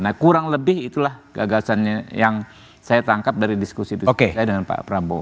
nah kurang lebih itulah gagasannya yang saya tangkap dari diskusi saya dengan pak prabowo